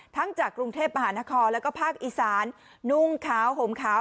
จากกรุงเทพมหานครแล้วก็ภาคอีสานนุ่งขาวห่มขาว